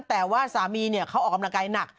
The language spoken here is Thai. แต่ว่าสามีนี้เค้ากำลังกายหนัก